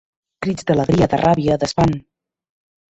Crits d'alegria, de ràbia, d'espant.